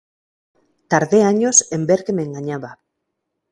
Tardé años en ver que me engañaba.